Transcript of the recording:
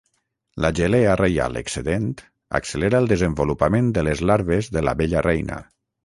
La gelea reial excedent accelera el desenvolupament de les larves de l'abella reina.